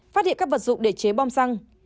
phát hiện các vật dụng để chế bom xăng